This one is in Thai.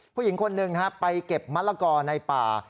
ผู้หญิงคนหนึ่งไปเก็บมะละกอในป่า